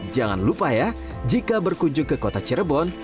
jangan lupa ya jika berkunjung ke kota cirebon